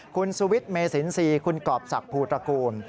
คุณสุวิทย์เมษินสีคุณกอบศักดิ์ภูตรกล